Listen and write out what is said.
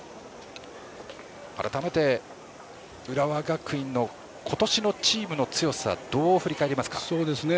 改めて、浦和学院の今年のチームの強さどう振り返りますか。